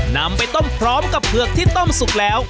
นำไปต้มพร้อมกับเผือกที่ต้มสุกแล้ว